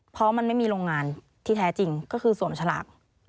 เพราะมันไม่มีโรงงานที่แท้จริงก็คือสวมฉลาก